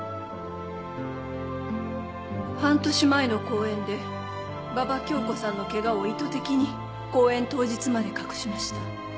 半年前の公演で馬場恭子さんのケガを意図的に公演当日まで隠しました。